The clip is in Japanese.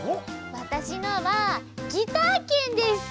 わたしのは「ギター券」です。